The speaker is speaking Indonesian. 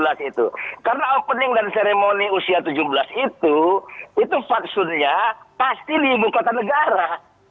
kalau itu opening and closing ceremony u tujuh belas itu itu faksunya pasti di ibu kota negara